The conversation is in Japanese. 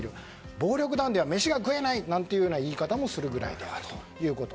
暴力団では飯が食えないという言い方もするぐらいであるということ。